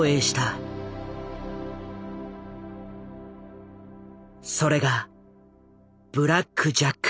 それが「ブラック・ジャック」。